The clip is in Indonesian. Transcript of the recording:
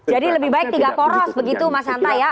jadi lebih baik tiga poros begitu mas hantaya